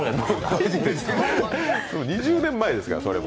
２０年前ですから、それも。